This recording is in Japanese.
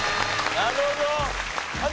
なるほどね。